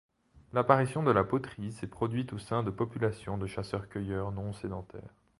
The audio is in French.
L'apparition de la poterie s'est produite au sein de populations de chasseurs-cueilleurs non-sédentaires.